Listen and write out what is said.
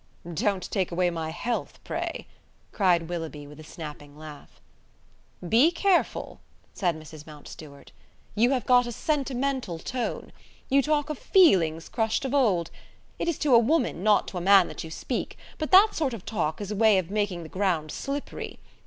"Don't take away my health, pray," cried Willoughby, with a snapping laugh. "Be careful," said Mrs. Mountstuart. "You have got a sentimental tone. You talk of 'feelings crushed of old'. It is to a woman, not to a man that you speak, but that sort of talk is a way of making the ground slippery.